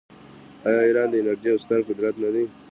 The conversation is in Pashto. آیا ایران د انرژۍ یو ستر قدرت نه دی؟